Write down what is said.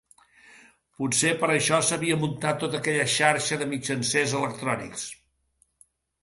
Potser per això s'havia muntat tota aquella xarxa de mitjancers electrònics.